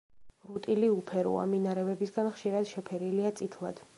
რუტილი უფეროა, მინარევებისაგან ხშირად შეფერილია წითლად.